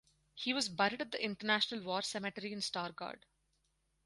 He was buried at the International War Cemetery in Stargard.